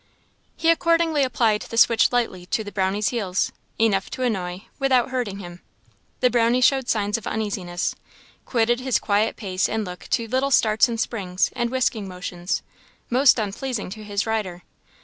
He accordingly applied the switch lightly to the Brownie's heels, enough to annoy, without hurting him. The Brownie showed signs of uneasiness, quitted his quiet pace, and look to little starts and springs, and whisking motions, most unpleasing to his rider.